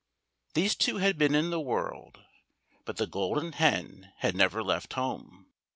These two had been in the world, but the Golden Hen had never left home.